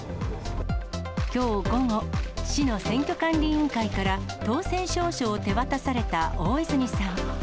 きょう午後、市の選挙管理委員会から、当選証書を手渡された大泉さん。